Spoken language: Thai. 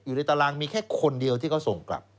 อยู่ในตารางมีแค่คนเดียวที่เขาส่งกลับ